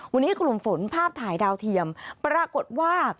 วันนี้กลุ่มฝนภาพถ่ายดาวเทียมปรากฏว่า